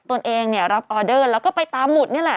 ตัวเองเนี่ยรับออเดอร์แล้วก็ไปตามหุดนี่แหละ